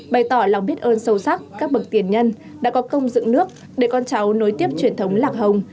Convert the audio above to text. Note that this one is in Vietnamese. bày tỏ lòng biết ơn sâu sắc các bậc tiền nhân đã có công dựng nước để con cháu nối tiếp truyền thống lạc hồng